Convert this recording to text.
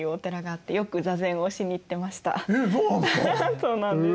そうなんです。